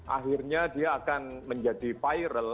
akhirnya dia akan menjadi viral